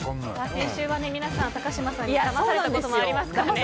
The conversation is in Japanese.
先週は、皆さん高嶋さんにだまされたこともありましたからね。